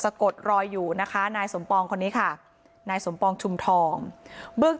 กดรอยอยู่นะคะนายสมปองคนนี้ค่ะนายสมปองชุมทองเบื้อง